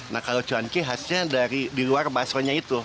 nah kalau cuanki khasnya dari di luar basronya itu